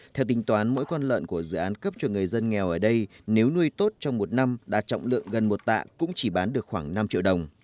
theo tính toán mỗi con lợn của dự án cấp cho người dân nghèo ở đây nếu nuôi tốt trong một năm đạt trọng lượng gần một tạ cũng chỉ bán được khoảng năm triệu đồng